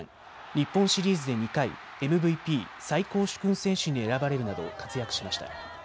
日本シリーズで２回、ＭＶＰ・最高殊勲選手に選ばれるなど活躍しました。